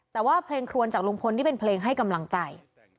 แต่ว่าเพลงครวนจากลุงพลที่เป็นเพลงให้กำลังใจ